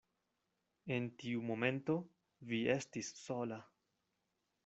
En tiu momento, vi estis sola.